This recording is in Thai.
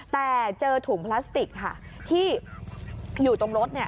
แต่เจอถุงพลาสติกค่ะที่อยู่ตรงรถ